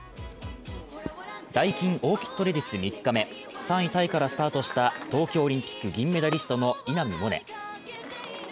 ダイキンオーキッドレディス３日目３位タイからスタートした東京オリンピック銀メダリストの稲見萌寧。